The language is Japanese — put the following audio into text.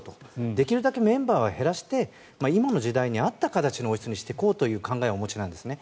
できるだけメンバーは減らして今の時代に合った形の王室にしていこうという考えをお持ちなんですね。